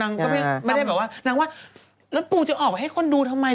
ก็ไม่ได้แบบว่านางว่าแล้วปูจะออกไปให้คนดูทำไม